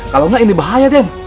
kalau enggak ini bahaya dia